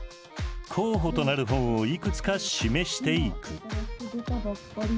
候補となる本をいくつか示していく。